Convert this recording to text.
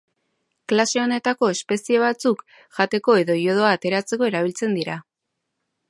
Klase honetako espezie batzuk jateko edo iodoa ateratzeko erabiltzen dira.